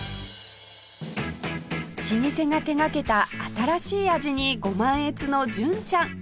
老舗が手がけた新しい味にご満悦の純ちゃん